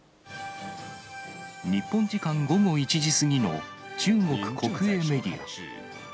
日本時間午後１時過ぎの中国国営メディア。